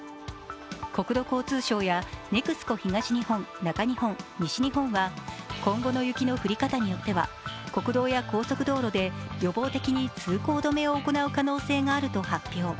国土交通省やＮＥＸＣＯ東日本、中日本、西日本は今後の雪の降り方によっては国道や高速道路で予防的に通行止めを行う可能性があると発表。